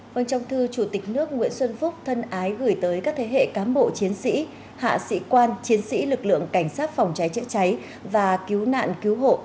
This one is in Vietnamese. vâng trong thư chủ tịch nước nguyễn xuân phúc thân ái gửi tới các thế hệ cán bộ chiến sĩ hạ sĩ quan chiến sĩ lực lượng cảnh sát phòng cháy chữa cháy và cứu nạn cứu hộ